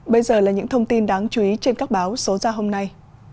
bây giờ là những thông tin đáng chú ý trên các báo số ra hôm nay